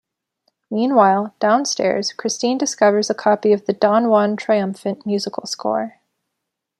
Meanwhile, downstairs, Christine discovers a copy of the "Don Juan Triumphant" music score.